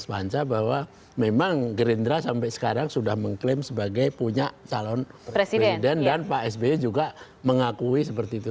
mas banca bahwa memang gerindra sampai sekarang sudah mengklaim sebagai punya calon presiden dan pak sby juga mengakui seperti itu